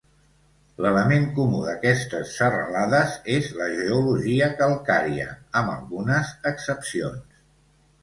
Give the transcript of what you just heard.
L'element comú d'aquestes serralades és la geologia calcària, amb algunes excepcions.